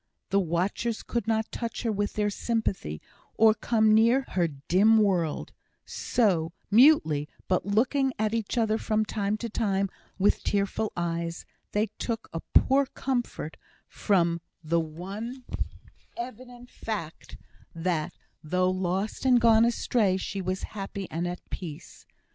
The watchers could not touch her with their sympathy, or come near her in her dim world; so, mutely, but looking at each other from time to time with tearful eyes, they took a poor comfort from the one evident fact that, though lost and gone astray, she was happy and at peace.